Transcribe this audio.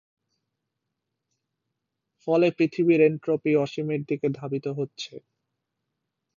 ফলে পৃথিবীর এনট্রপি অসীমের দিকে ধাবিত হচ্ছে।